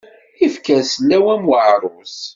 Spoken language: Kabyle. Ifker sellaw am uɛarus.